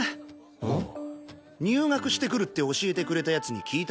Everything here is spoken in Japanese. んっ？入学してくるって教えてくれた奴に聞いたんだ。